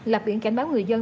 lập biển cảnh báo người dân